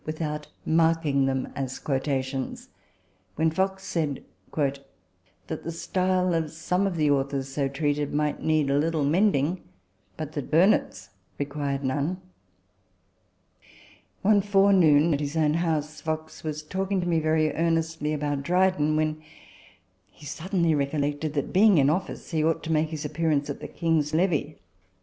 " Hazlitt's " Conversations of Northcote/' P/23J 56 RECOLLECTIONS OF THE without marking them as quotations, when Fox said, " that the style of some of the authors so treated might need a little mending, but that Burnet's required none." One forenoon, at his own house, Fox was talking to me very earnestly about Dryden, when he suddenly recollected that (being in office) he ought to make his appearance at the King's levee.